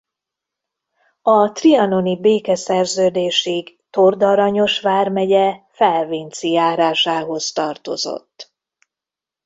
A trianoni békeszerződésig Torda-Aranyos vármegye Felvinci járásához tartozott.